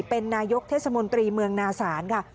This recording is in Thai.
เป็นนายกเทศมนตรีเมืองนาศาลค่ะ